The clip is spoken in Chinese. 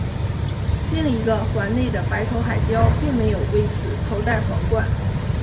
另一个环内的白头海雕并没有为此头戴皇冠。